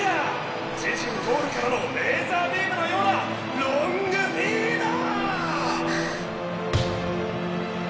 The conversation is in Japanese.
自陣ゴールからのレーザービームのようなロングフィード！